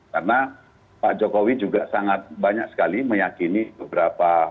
karena pak jokowi juga sangat banyak sekali meyakini beberapa